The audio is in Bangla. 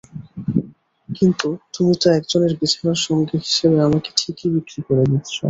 কিন্তু তুমি তো একজনের বিছানার সঙ্গী হিসেবে আমাকে ঠিকই বিক্রি করে দিচ্ছ।